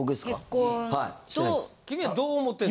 ・結婚・君はどう思ってんの？